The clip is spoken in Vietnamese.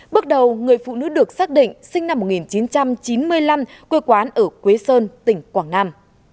bước đầu người phụ nữ được xác định sinh năm một nghìn chín trăm chín mươi năm quê quán ở quế sơn tỉnh quảng nam